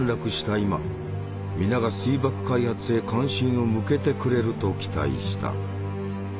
今皆が水爆開発へ関心を向けてくれると期待した。